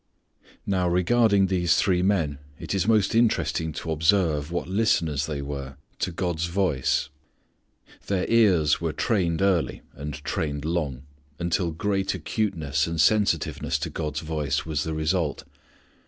Now regarding these men it is most interesting to observe what listeners they were to God's voice. Their ears were trained early and trained long, until great acuteness and sensitiveness to God's voice was the result.